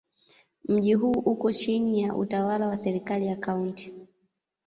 Mji huu uko chini ya utawala wa serikali ya Kaunti.